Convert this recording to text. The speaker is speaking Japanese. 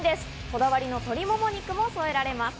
こだわりのとりもも肉も添えられます。